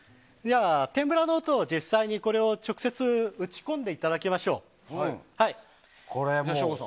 てんぷらの音を実際に直接打ち込んでいただきましょう。